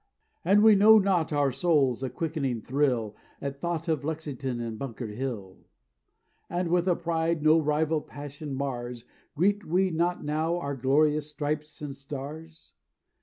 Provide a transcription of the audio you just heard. "And we, know not our souls a quickening thrill At thought of Lexington and Bunker Hill? And with a pride no rival passion mars Greet we not now our glorious Stripes and Stars?